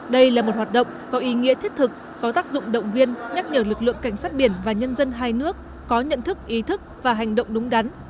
đây là một hoạt động có ý nghĩa thiết thực có tác dụng động viên nhắc nhở lực lượng cảnh sát biển và nhân dân hai nước có nhận thức ý thức và hành động đúng đắn